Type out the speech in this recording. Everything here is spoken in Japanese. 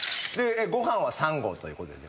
ご飯は３合ということで。